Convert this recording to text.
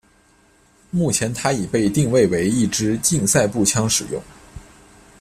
目前它已被定位为一枝竞赛步枪使用。